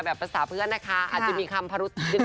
ภาษาเพื่อนนะคะอาจจะมีคำพรุษนิด